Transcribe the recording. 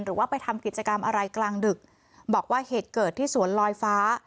หรือว่าไปทำกิจกรรมอะไรกลางดึกบอกว่าเหตุเกิดที่สวนลอยฟ้า